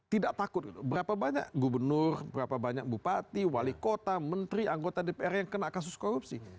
tidak takut berapa banyak gubernur berapa banyak bupati wali kota menteri anggota dpr yang kena kasus korupsi